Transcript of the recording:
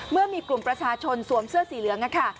เมื่อมีกลุ่มประชาชนสวมเสื้อสีเหลืองค่ะ